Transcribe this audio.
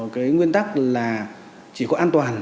cái nguyên tắc là chỉ có an toàn